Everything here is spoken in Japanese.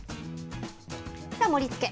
盛りつけ。